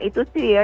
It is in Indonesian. itu sih ya